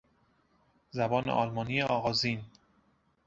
زبان آلمانی آغازین